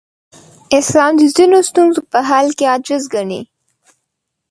اسلام د ځینو ستونزو په حل کې عاجز ګڼي.